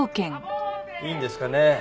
いいんですかね？